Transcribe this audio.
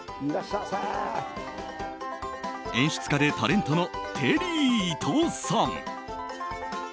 演出家でタレントのテリー伊藤さん。